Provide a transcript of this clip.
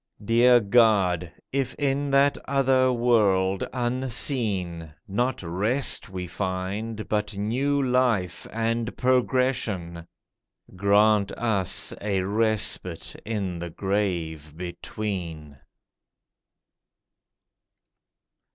Dear God, if in that other world unseen, Not rest we find, but new life and progression, Grant us a respite in the grave between.